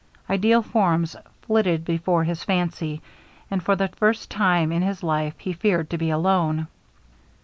Ideal forms flitted before his fancy, and for the first time in his life he feared to be alone.